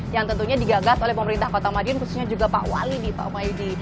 yang tentunya digagas oleh pemerintah kota madiun khususnya juga pak wali nih pak oma yudi